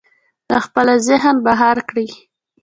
له خپله ذهنه بهر کړئ.